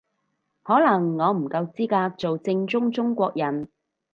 可能我唔夠資格做正宗中國人